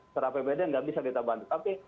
secara pbd ga bisa kita bantu tapi